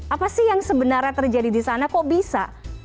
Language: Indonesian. apa sih yang sebenarnya terjadi di sana kok bisa